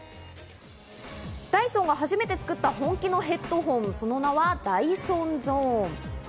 ダイソンが初めて作った本気のヘッドホン、その名はダイソンゾーン。